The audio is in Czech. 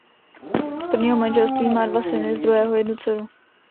Z prvního manželství má dva syny z druhého jednu dceru.